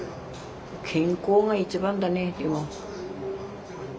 健康が一番だねでも。